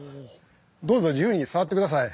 どうぞ自由に触ってください。